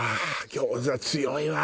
餃子強いわ！